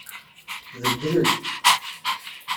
Tbeddel-d.